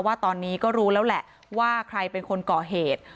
ว่าตอนนี้ก็รู้แล้วแหละว่าใครเป็นคนก่อเหตุ